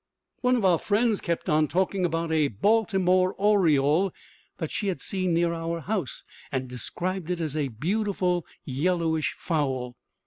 One of our friends kept on talking about a Baltimore oriole she had seen near our house, and described it as a beautiful yellowish fowl.